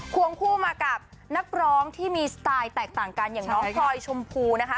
วงคู่มากับนักร้องที่มีสไตล์แตกต่างกันอย่างน้องพลอยชมพูนะคะ